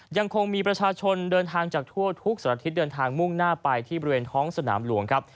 ยังคงมีประชาชนเดินทางจากทั่วทุกสัตว์ทิศเดินทางมุ่งหน้าไปที่บริเวณท้องสนามหลวงครับ